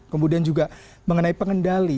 kemudian juga mengenai pengendali